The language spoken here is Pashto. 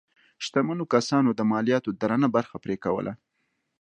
شتمنو کسانو د مالیاتو درنه برخه پرې کوله.